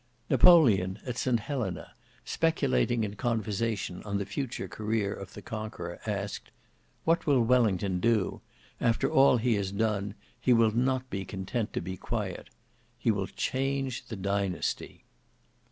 Napoleon, at St Helena, speculating in conversation on the future career of his conqueror, asked, "What will Wellington do? After all he has done, he will not be content to be quiet. He will change the dynasty."